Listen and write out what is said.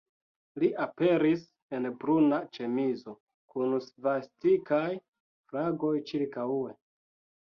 Li aperis en bruna ĉemizo, kun svastikaj flagoj ĉirkaŭe.